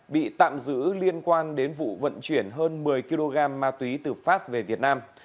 bị tạm giữ liên quan đến vụ vận chuyển hơn một mươi kg ma túy từ pháp về việt nam